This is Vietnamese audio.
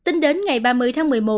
tính đến ngày ba mươi tháng một mươi một